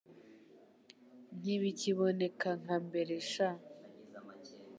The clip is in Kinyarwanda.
Ntibikiboneka nka mbere sha